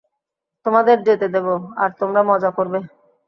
তোমাদের যেতে দেব, আর তোমরা মজা করবে।